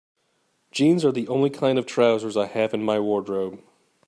Jeans are the only kind of trousers I have in my wardrobe.